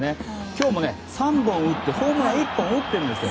今日も３本打ってホームラン１本打っているんですよ。